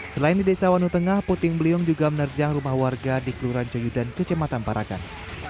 selain di desa wanutengah puting beliung juga menerjang rumah warga di kelurahan joyudan kecematan parakan